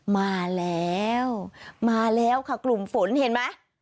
มาแล้วมาแล้วค่ะกลุ่มฝนเห็นไหม